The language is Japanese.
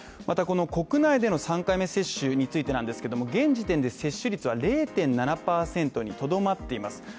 またこの国内での３回目接種についてなんですけども現時点で接種率は０．７％にとどまっています